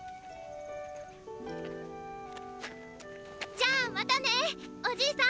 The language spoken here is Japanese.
じゃあまたねおじいさん